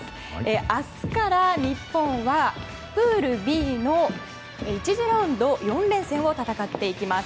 明日から日本はプールＢの１次ラウンド４連戦を戦っていきます。